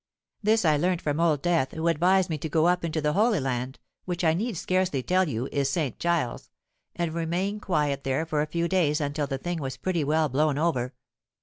This I learnt from Old Death, who advised me to go up into the Holy Land—which I need scarcely tell you is St. Giles's—and remain quiet there for a few days until the thing was pretty well blown over.